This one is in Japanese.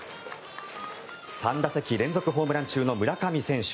３打席連続ホームラン中の村上選手